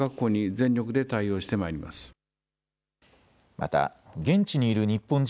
また現地にいる日本人